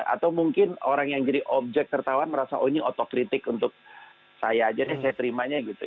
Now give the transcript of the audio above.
atau mungkin orang yang jadi objek tertawan merasa oh ini otokritik untuk saya aja deh saya terimanya gitu